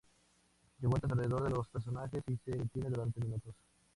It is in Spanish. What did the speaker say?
Da vueltas alrededor de los personajes y se detiene durante minutos.